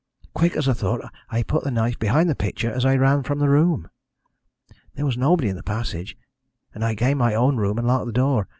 Quick as thought I put the knife behind the picture as I ran from the room. "There was nobody in the passage, and I gained my own room and locked the door.